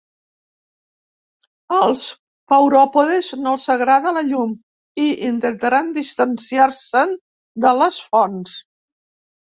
Als pauròpodes no els agrada la llum i intentaran distanciar-se'n de les fonts.